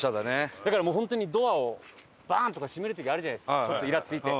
だからもう本当にドアをバン！とか閉める時あるじゃないですかちょっとイラついて。